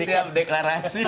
ini siap deklarasi